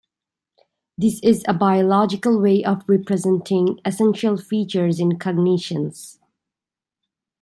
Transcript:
This is a biological way of representing essential features in cognitions.